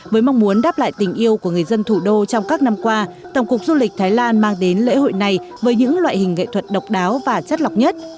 với mong muốn đáp lại tình yêu của người dân thủ đô trong các năm qua tổng cục du lịch thái lan mang đến lễ hội này với những loại hình nghệ thuật độc đáo và chất lọc nhất